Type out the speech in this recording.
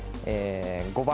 ５番。